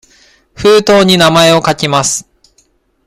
封筒に名前を書きます。